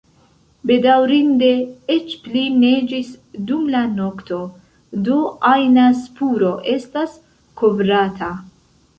Bedaŭrinde, eĉ pli neĝis dum la nokto, do ajna spuro estas kovrata.